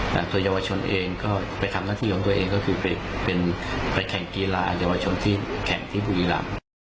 แต่ตัวเยาวชนเองก็ไปทำหน้าที่ของตัวเองก็คือไปเป็นไปแข่งกีฬาเยาวชนที่แข่งที่บุรีรำ